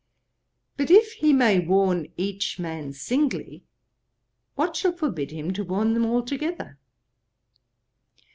But if he may warn each man singly, what shall forbid him to warn them altogether?